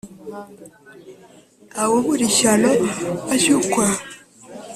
Ntawe ubura ishyano ashyukwa.